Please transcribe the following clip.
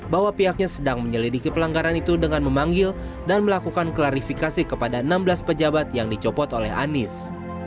bahwa pihaknya sedang menyelidiki pelanggaran itu dengan memanggil dan melakukan klarifikasi kepada enam belas pejabat yang dicopot oleh anies